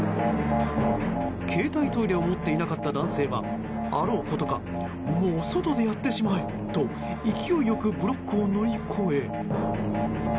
携帯トイレを持っていなかった男性は、あろうことかもう外でやってしまえ！と勢いよくブロックを乗り越え。